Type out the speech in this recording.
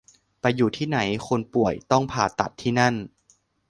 ไปอยู่ที่ไหน คนป่วยต้องผ่าตัดที่นั่น